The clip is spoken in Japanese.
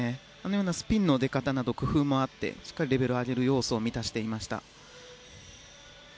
スピンの出方など工夫もあってレベル上げる要素を満たしていました。